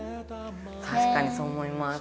たしかにそう思います。